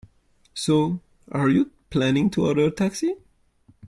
So, are you planning to order a taxi?